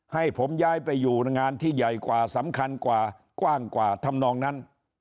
ให้ผมย้ายไปอยู่งานที่ใหญ่กว่าสำคัญกว่ากว้างกว่าทำนองนั้น